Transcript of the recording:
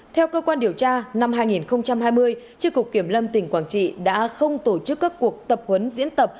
theo cơ quan điều tra năm hai nghìn hai mươi tri cục kiểm lâm tỉnh quảng trị đã không tổ chức các cuộc tập huấn diễn tập